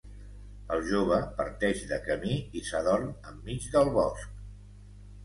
El jove parteix de camí i s'adorm enmig del bosc.